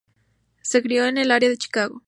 Se crió en el área de Chicago.